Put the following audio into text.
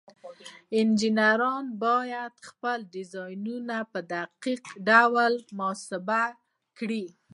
انجینران باید خپل ډیزاینونه په دقیق ډول محاسبه کړي.